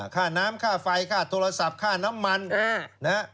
ข้าน้ำข้าไฟข้าโทรศัพท์ข้าน้ำมัน